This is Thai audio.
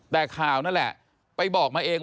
แต่ข่าวนั่นแหละไปบอกมาเอง